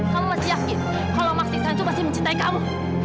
kamu masih yakin kalau mas ihsan itu masih mencintai kamu